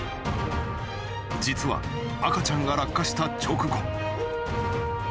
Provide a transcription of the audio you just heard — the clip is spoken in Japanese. ［実は赤ちゃんが落下した直後］